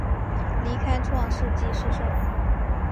离开创世纪诗社。